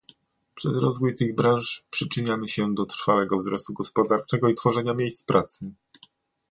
Przez rozwój tych branż przyczyniamy się do trwałego wzrostu gospodarczego i tworzenia miejsc pracy